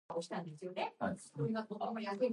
He was born in Funchal, Madeira.